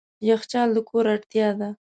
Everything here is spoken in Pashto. یخچال د کور اړتیا ده.